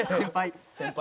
「先輩」